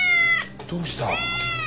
どうした？